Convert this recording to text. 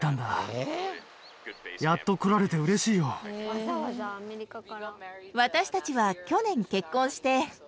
わざわざアメリカから。